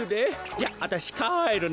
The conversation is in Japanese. じゃああたしかえるね。